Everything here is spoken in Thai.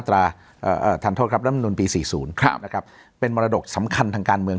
รัฐธรรมนุนปี๔๐เป็นมรดกสำคัญทางการเมือง